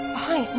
はい。